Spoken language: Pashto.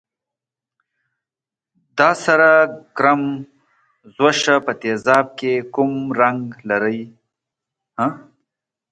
د سره کرم ځوښا په تیزاب کې کوم رنګ لري؟